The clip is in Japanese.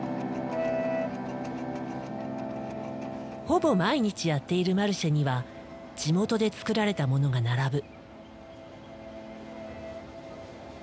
ほぼ毎日やっているマルシェには地元で作られたものが並ぶ。